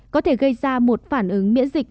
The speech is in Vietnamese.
có thể gây ra một phản ứng miễn dịch